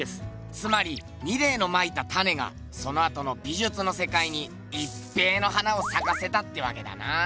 つまりミレーのまいた種がそのあとの美術のせかいにいっぺえの花をさかせたってわけだな。